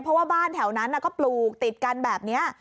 เพราะว่าบ้านแถวนั้นก็ปลูกติดกันแบบนี้